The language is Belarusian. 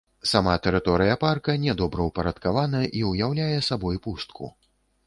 Сама тэрыторыя парка не добраўпарадкавана і ўяўляе сабой пустку.